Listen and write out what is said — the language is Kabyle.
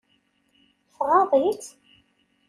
Tɣaḍ-itt?